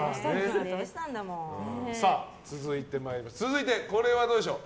続いて、これはどうでしょう。